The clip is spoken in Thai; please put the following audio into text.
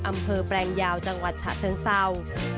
แปลงยาวจังหวัดฉะเชิงเศร้า